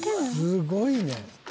すごいね。